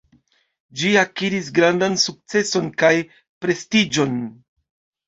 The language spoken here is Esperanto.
Ĝi akiris grandan sukceson kaj prestiĝon.